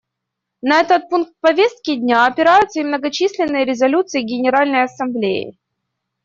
На этот пункт повестки дня опираются и многочисленные резолюции Генеральной Ассамблеи.